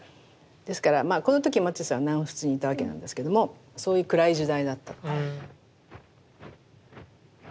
ですからまあこの時マティスは南仏にいたわけなんですけどもそういう暗い時代だった。